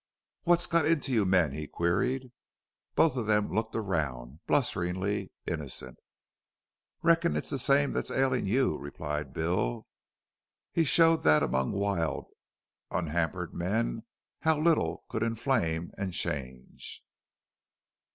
"What's got into you men?" he queried. Both of them looked around, blusteringily innocent. "Reckon it's the same that's ailin' you," replied Bill. He showed that among wild, unhampered men how little could inflame and change.